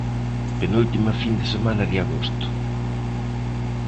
Penúltima fin de semana de agosto.